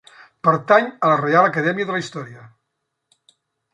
Pertany a la Reial Acadèmia de la Història.